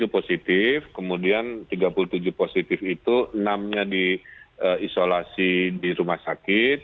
tiga puluh tujuh positif kemudian tiga puluh tujuh positif itu enam nya di isolasi di rumah sakit